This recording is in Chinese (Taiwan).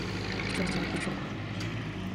說教育部說謊